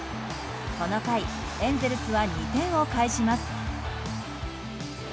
この回エンゼルスは２点を返します。